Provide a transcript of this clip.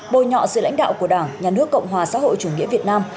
bồi nhọ sự lãnh đạo của đảng nhà nước cộng hòa xã hội chủ nghĩa việt nam